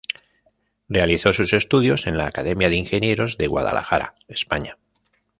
Realizó sus estudios en la Academia de Ingenieros de Guadalajara, España.